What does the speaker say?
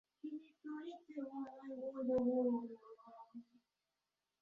বিভিন্ন জীবনী, স্মৃতিকথা, প্রবন্ধ, তথ্যচিত্র, গান ও চলচ্চিত্রে তার চরিত্রের নানা দিক ফুটিয়ে তোলা হয়েছে।